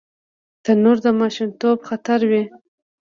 تنور د ماشومتوب خاطره وي